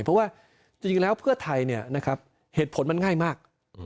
เพราะว่าจริงแล้วเพื่อไทยเนี่ยนะครับเหตุผลมันง่ายมาก